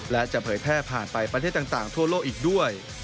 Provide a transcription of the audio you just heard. และจะเผยแพร่ผ่านไปประเทศต่างทั่วโลกอีกด้วย